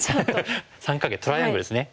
三角形トライアングルですね。